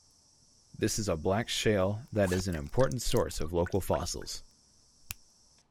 This is a black shale that is an important source of local fossils.